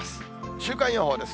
週間予報です。